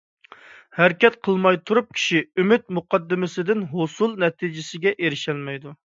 ھەرىكەت قىلماي تۇرۇپ كىشى ئۈمىد مۇقەددىمىسىدىن ھوسۇل نەتىجىسىگە ئېرىشەلمەيدۇ.